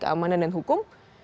keamanan dan hukum